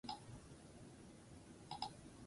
Zesar nagusitu bazen ere, senatari batzuek hil zuten.